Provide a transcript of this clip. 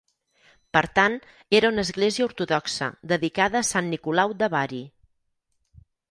Per tant, era una església ortodoxa dedicada a Sant Nicolau de Bari.